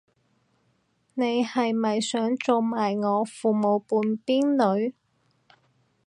你係咪想做埋我父母半邊女